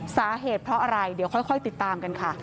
สาเหตุเพราะอะไรเดี๋ยวค่อยติดตามกันค่ะ